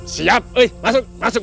siap masuk masuk